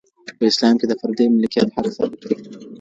په اسلام کي د فردي ملکيت حق ثابت دی.